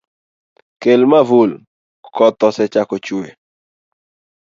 Kel mavul koth osechako chue.